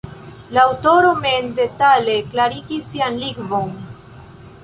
La aŭtoro mem detale klarigis sian lingvon.